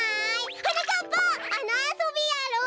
はなかっぱあのあそびやろう！